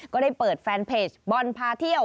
ก็ได้เปิดแฟนเพจบอลพาเที่ยว